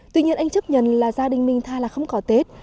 tuy nhiên anh chấp nhận là gia đình mình tha là không có tết